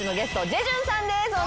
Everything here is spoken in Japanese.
ジェジュンです